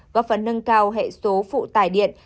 góp phần nâng cao hệ số phụ tải điện